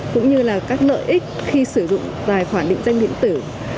cũng như là các lợi ích khi sử dụng tài khoản định danh điện tử